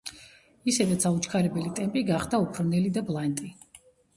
ისედაც აუჩქარებელი ტემპი გახდა უფრო ნელი და ბლანტი.